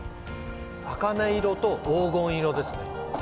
あかね色と黄金色ですね